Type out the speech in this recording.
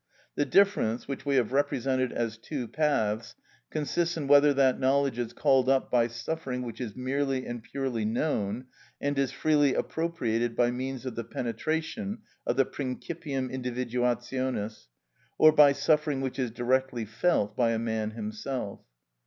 The difference, which we have represented as two paths, consists in whether that knowledge is called up by suffering which is merely and purely known, and is freely appropriated by means of the penetration of the principium individuationis, or by suffering which is directly felt by a man himself.